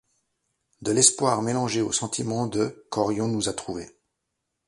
De l’espoir mélangé au sentiment de qu’Orion nous a trouvé.